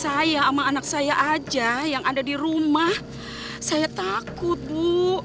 saya sama anak saya aja yang ada di rumah saya takut bu